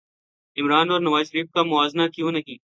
عمرا ن اور نواز شریف کا موازنہ کیوں نہیں